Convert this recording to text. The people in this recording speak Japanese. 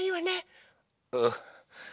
うん。